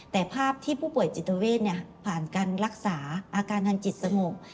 แต่ภาพที่ผู้ป่วยจิตเวทผ่านการรักษาอาการทางจิตสงบ